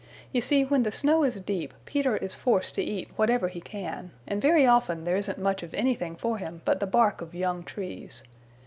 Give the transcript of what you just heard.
You see when the snow is deep Peter is forced to eat whatever he can, and very often there isn't much of anything for him but the bark of young trees.